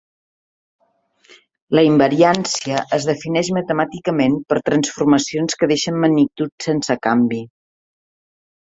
La invariància es defineix matemàticament per transformacions que deixen magnituds sense canvi.